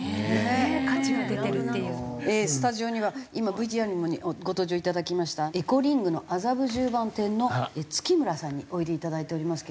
スタジオには今ＶＴＲにもご登場いただきましたエコリングの麻布十番店の月村さんにおいでいただいておりますけれども。